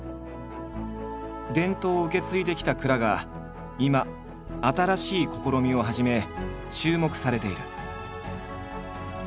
伝統を受け継いできた蔵が今新しい試みを始め注目されている。